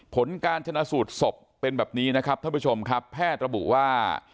ผลการชนะสูตรศพเป็นแบบนี้นะครับท่านผู้ชมครับแพทย์ระบุว่า